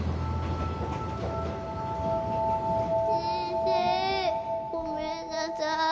先生ごめんなさい。